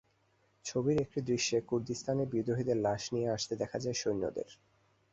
ছবির একটি দৃশ্যে কুর্দিস্তানের বিদ্রোহীদের লাশ নিয়ে আসতে দেখা যায় সেনাদের।